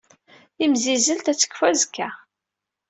Timzizzelt ad tekfu azekka